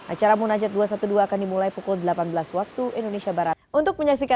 acara munajat dua ratus dua belas akan dimulai pukul delapan belas waktu indonesia barat